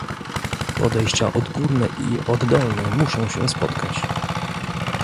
Podejścia odgórne i oddolne muszą się spotkać